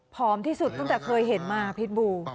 ที่สุดตั้งแต่เคยเห็นมาพิษบู